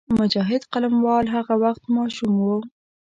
مجاهد قلموال هغه وخت ماشوم وو.